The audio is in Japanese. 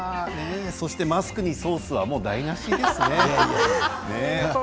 そしてマスクにソースはもう台なしですね。